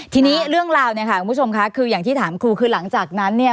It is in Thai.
ทีนี้เรื่องราวเนี่ยค่ะคุณผู้ชมค่ะคืออย่างที่ถามครูคือหลังจากนั้นเนี่ย